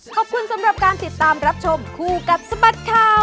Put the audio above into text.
ขอบคุณสำหรับการติดตามรับชมคู่กับสบัดข่าว